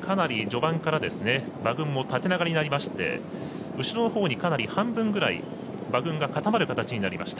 かなり序盤から馬群も縦長になりまして後ろのほうに、かなり半分ぐらい馬群が固まる形になりました。